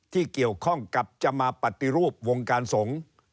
ที่เกี่ยวข้องกับจะมาปฏิรูปวงการสงฆ์